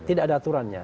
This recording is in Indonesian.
tidak ada aturannya